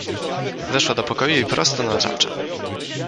Weszła do pokoju i prosto na tapczan.